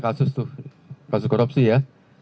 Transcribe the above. kasus tuh kasus korupsi ya